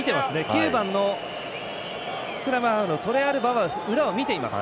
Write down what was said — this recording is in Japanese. ９番のスクラムハーフのトレアルバは裏を見ています。